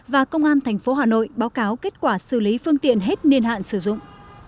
và công an tp hà nội báo cáo kết quả xử lý phương tiện hết niên hạn sử dụng